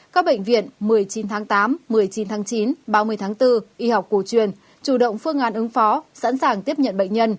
các bệnh viện một mươi chín tháng tám một mươi chín tháng chín ba mươi tháng bốn y học cổ truyền chủ động phương án ứng phó sẵn sàng tiếp nhận bệnh nhân